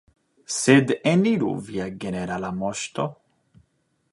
Sed, eniru, Via Generala Moŝto!